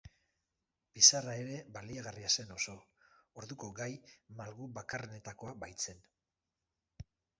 Bizarra ere baliagarria zen oso, orduko gai malgu bakarrenetakoa baitzen.